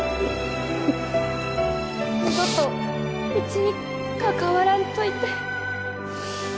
二度とうちに関わらんといて